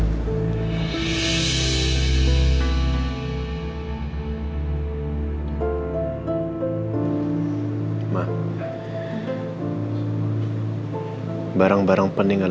dia kurang berniat